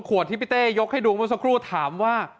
ขวดที่พี่เต้ยกให้ดูมาสักครู่ถามว่า